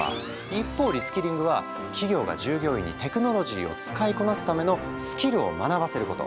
一方リ・スキリングは企業が従業員にテクノロジーを使いこなすためのスキルを学ばせること。